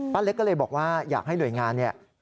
ป้าเล็กก็เลยบอกว่าอยากให้เรื่องงาน